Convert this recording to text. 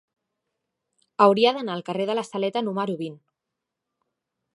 Hauria d'anar al carrer de la Saleta número vint.